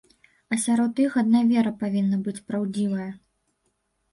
А сярод іх адна вера павінна быць праўдзівая.